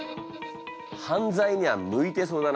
犯罪には向いてそうだな。